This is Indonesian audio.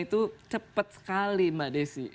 itu cepat sekali mbak desi